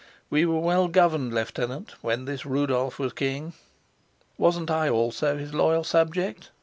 "We were well governed, Lieutenant, when this Rudolf was king." "Wasn't I also his loyal subject?"